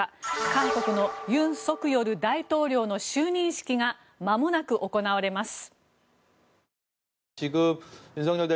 韓国の尹錫悦大統領の就任式がまもなく行われます。